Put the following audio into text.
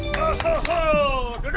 ya udah deh